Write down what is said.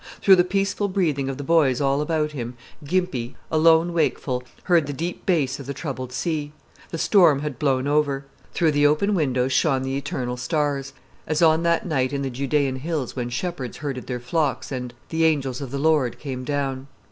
Through the peaceful breathing of the boys all about him, Gimpy, alone wakeful, heard the deep bass of the troubled sea. The storm had blown over. Through the open windows shone the eternal stars, as on that night in the Judean hills when shepherds herded their flocks and "The angels of the Lord came down."